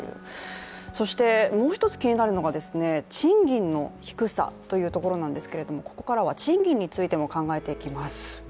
もう一つ気になるのが賃金の低さということなんですけれどもここからは賃金についても考えていきます。